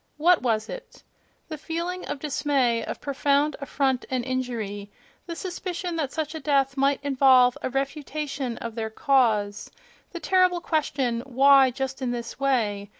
what was it?"—The feeling of dis may, of profound affront and injury; the suspicion that such a death might involve a refutation of their cause; the terrible question, "Why just in this way?"